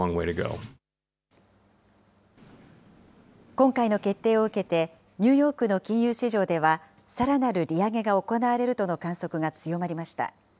今回の決定を受けて、ニューヨークの金融市場では、さらなる利上げが行われるとの観測が強まりました。